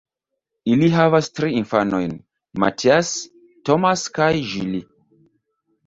Ili havas tri infanojn: Matthias, Thomas kaj Julie.